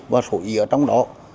và số ý ở trong đó